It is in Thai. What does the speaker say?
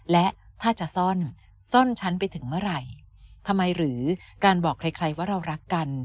และถ้าจะซ่อนซ่อนฉันไปถึงเมื่อไหร่ทำไมหรือการบอกใครใครว่าเรารักกัน